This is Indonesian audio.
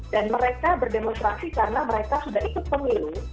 dan mereka berdemonstrasi karena mereka sudah ikut pemilu